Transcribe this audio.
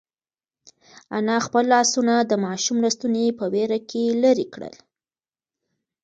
انا خپل لاسونه د ماشوم له ستوني په وېره کې لرې کړل.